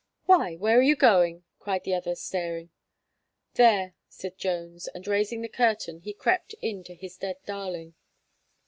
"Why, where are you going?" cried the other staring. "There," said Jones, and raising the curtain, he crept in to his dead darling.